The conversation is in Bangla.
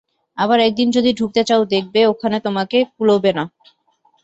আবার একদিন যদি ঢুকতে চাও দেখবে, ওখানে তোমাকে কুলোবে না।